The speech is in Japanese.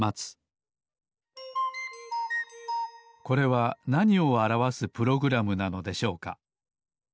これはなにをあらわすプログラムなのでしょうか？